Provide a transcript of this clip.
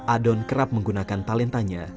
adon kerap menggunakan talentanya